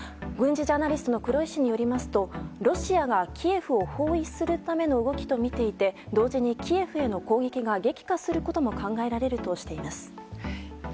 軍事ジャーナリストの黒井氏によりますとロシアがキエフを包囲するための動きと見ていて同時にキエフへの攻撃が激化することも考えられるとしています。